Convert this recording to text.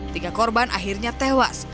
tiga korban akhirnya tewas